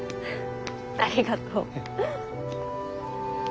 ありがとう。